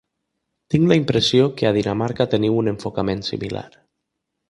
Tinc la impressió que a Dinamarca teniu un enfocament similar.